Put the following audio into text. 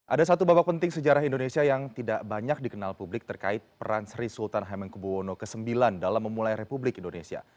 ada satu babak penting sejarah indonesia yang tidak banyak dikenal publik terkait peran sri sultan hamengkubuwono ix dalam memulai republik indonesia